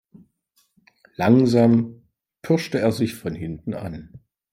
Langsam pirschte er sich von hinten an.